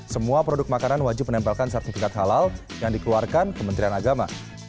semua produk makanan wajib menempelkan sertifikat halal yang dikeluarkan kementerian agama